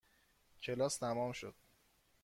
کلاس تمام شد.